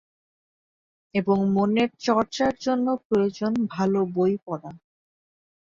এবং মনের চর্চার জন্য প্রয়োজন ভালো বই পড়া।